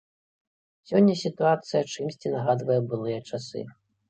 Сёння сітуацыя чымсьці нагадвае былыя часы.